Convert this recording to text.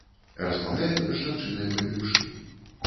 Размаўляем з жанчынай ў капелюшы.